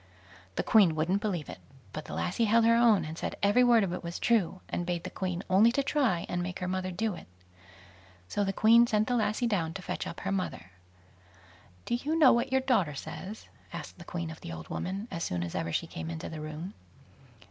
The Queen wouldn't believe it, but the lassie held her own, and said every word of it was true, and bade the Queen only to try and make her mother do it. So the Queen sent the lassie down to fetch up her mother. "Do you know what your daughter says?" asked the Queen of the old woman, as soon as ever she came into the room.